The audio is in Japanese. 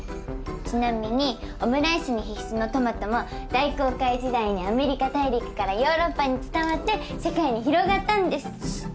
ちなみにオムライスに必須のトマトも大航海時代にアメリカ大陸からヨーロッパに伝わって世界に広がったんです。